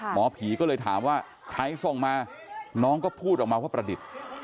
หมอผีก็เลยถามว่าใครส่งมาน้องก็พูดออกมาว่าประดิษฐ์